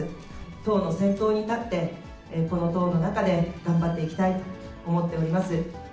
党の先頭に立って、この党の中で頑張っていきたいと思っております。